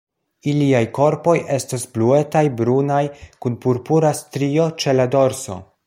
Iliaj korpoj estas bluetaj-brunaj, kun purpura strio ĉe la dorso.